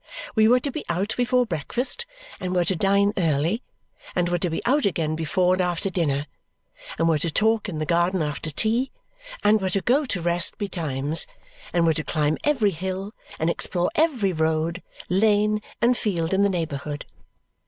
We were to be out before breakfast, and were to dine early, and were to be out again before and after dinner, and were to talk in the garden after tea, and were to go to rest betimes, and were to climb every hill and explore every road, lane, and field in the neighbourhood.